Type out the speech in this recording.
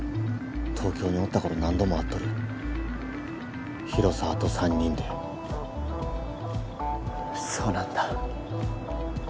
東京におった頃何度も会っとる広沢と三人でそうなんだ